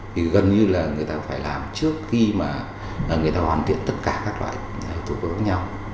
thì gần như là người ta phải làm trước khi mà người ta hoàn thiện tất cả các loại thủ tục khác nhau